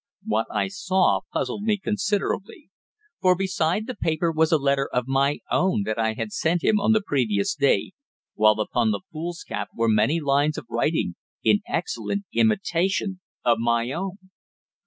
What I saw puzzled me considerably; for beside the paper was a letter of my own that I had sent him on the previous day, while upon the foolscap were many lines of writing in excellent imitation of my own!